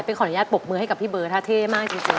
ขออนุญาตปรบมือให้กับพี่เบิร์ถ้าเท่มากจริง